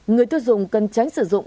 người tiêu dùng cần tránh sử dụng